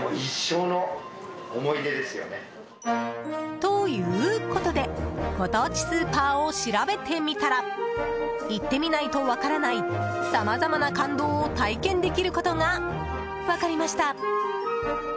ということでご当地スーパーを調べてみたら行ってみないと分からないさまざまな感動を体験できることが分かりました。